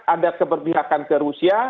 ada keberpihakan ke rusia